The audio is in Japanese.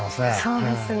そうですね。